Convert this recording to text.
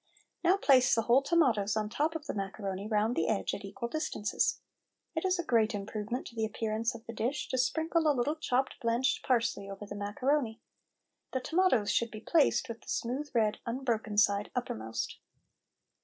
Now place the whole tomatoes on the top of the macaroni, round the edge, at equal distances. It is a great improvement to the appearance of the dish to sprinkle a little chopped blanched parsley over the macaroni. The tomatoes should be placed with the smooth, red, unbroken side uppermost.